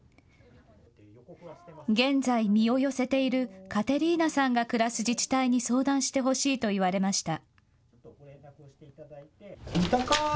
現在、身を寄せているカテリーナさんが暮らす自治体に相談してほしいと言われました。